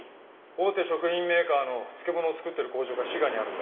大手食品メーカーの漬物を作ってる工場が滋賀にあるんだ。